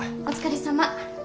お疲れさま。